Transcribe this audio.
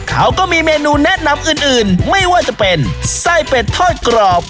เขาก็มีเมนูแนะนำอื่นไม่ว่าจะเป็นไส้เป็ดทอดกรอบ